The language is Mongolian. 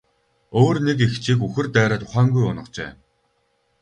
Өөр нэг эгчийг үхэр дайраад ухаангүй унагажээ.